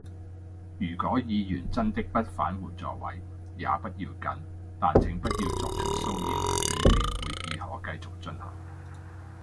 如果議員真的不返回座位，也不要緊，但請不要作出騷擾，以便會議可繼續進行。